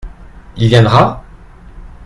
Il viendra ?